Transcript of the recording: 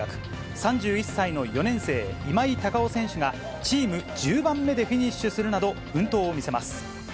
３１歳の４年生、今井隆生選手が、チーム１０番目でフィニッシュするなど、奮闘を見せます。